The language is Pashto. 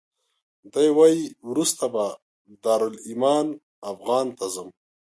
دی وایي وروسته به دارالایمان افغان ته ځم.